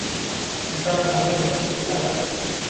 আশা ভাবিল, এখনো কি রাগ আছে।